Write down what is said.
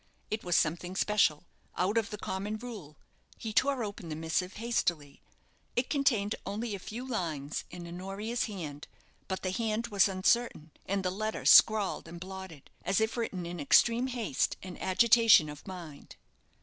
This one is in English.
It was something special out of the common rule. He tore open the missive hastily. It contained only a few lines in Honoria's hand; but the hand was uncertain, and the letter scrawled and blotted, as if written in extreme haste and agitation of mind.